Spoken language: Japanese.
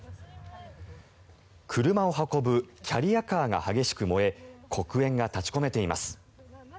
車を運ぶキャリアカーが激しく燃え黒煙が立ち込めています。